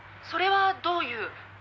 「それはどういう？」